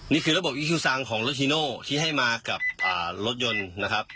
นี่คือระบบอีคิวซังของรถฮีโน่ที่ให้มากับรถยนต์นะครับ